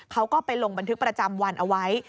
เขาก็ไปลงบันทึกประจำวันเอาไว้